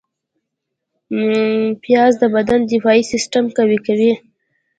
پیاز د بدن دفاعي سیستم قوي کوي